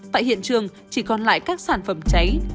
tại hiện trường chỉ còn lại các sản phẩm cháy